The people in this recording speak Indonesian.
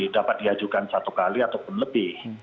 dapat diajukan satu kali ataupun lebih